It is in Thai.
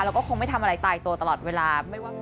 เราก็คงไม่ทำอะไรตายตัวตลอดเวลา